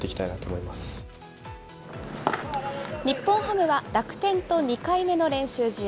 日本ハムは楽天と２回目の練習試合。